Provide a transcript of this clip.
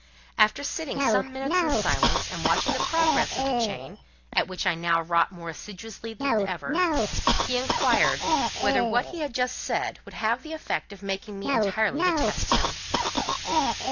After sitting some minutes in silence, and watching the progress of the chain, at which I now wrought more assiduously than ever, he inquired: "Whether what he had just said would have the effect of making me entirely detest him?"